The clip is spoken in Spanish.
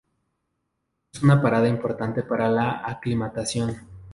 Es una parada importante para la aclimatación.